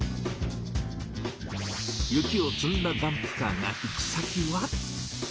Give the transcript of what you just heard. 雪を積んだダンプカーが行く先は。